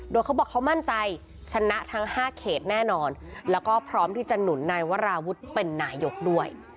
โดยเขาบอกเขามั่นใจชนะทั้ง๕เขตแน่นอนแล้วก็พร้อมที่จะหนุนนายวราวุฒิเป็นนายกด้วย